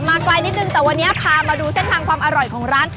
ไกลนิดนึงแต่วันนี้พามาดูเส้นทางความอร่อยของร้าน